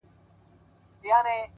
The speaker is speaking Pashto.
• که همت وکړی نو ستاسي منت بار یو,